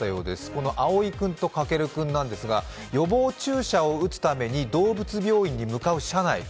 この蒼君と架君なんですが、予防注射を打つために動物病院に向かう車内。